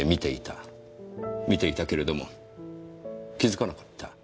見ていたけれども気づかなかった。